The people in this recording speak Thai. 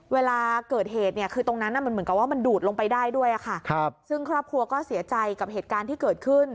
เวลาเกิดเหตุเนี่ยคือตรงนั้นมันเหมือนกับว่ามันดูดลงไปได้ด้วยค่ะครับซึ่งครอบครัวก็เสียใจกับเหตุการณ์ที่เกิดขึ้น